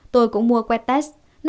tôi cũng mua quét test